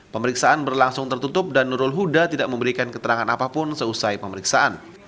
pemeriksaan berlangsung tertutup dan nurul huda tidak memberikan keterangan apapun seusai pemeriksaan